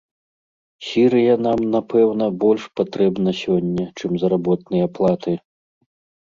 Сірыя нам, напэўна, больш патрэбна сёння, чым заработныя платы.